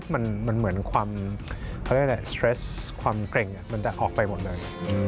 มันเหมือนความสเตรสความเกร็งมันจะออกไปหมดเลย